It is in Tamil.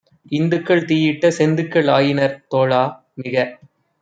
இந்துக்கள் தீயிட்ட செந்துக்கள் ஆயினர் தோழா - மிக